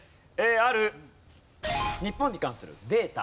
ある日本に関するデータ。